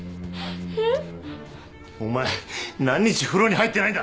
えっ？お前何日風呂に入ってないんだ！？